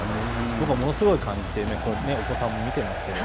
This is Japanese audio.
僕はものすごい感じて、お子さんも見てますけど。